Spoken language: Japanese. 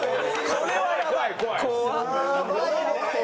これはやばいわ！